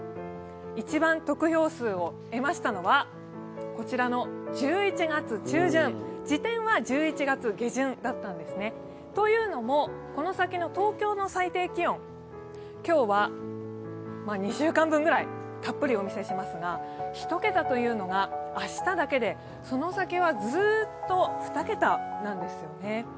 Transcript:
一番得票数を得ましたのがこちらの１１月中旬、次点は１１月下旬だったんですね。というのもこの先の東京の最低気温、今日は２週間分ぐらいたっぷりお見せしますが、１桁というのが明日だけで、その先はずーっと２桁なんですよね。